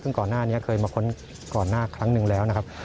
ซึ่งก่อนหน้านี้เคยมาค้นก่อนหน้าครั้งหนึ่งแล้วนะครับ